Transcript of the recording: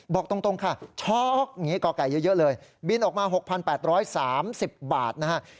บอกตรงค่ะช็อกอย่างนี้ก่อไก่เยอะเลยบินออกมา๖๘๓๐บาทนะฮะ